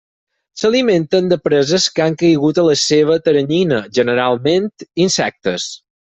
S'alimenten de preses que han caigut a la seva teranyina, generalment insectes.